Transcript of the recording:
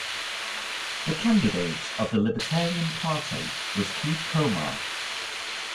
The candidate of the Libertarian Party was Keith Komar.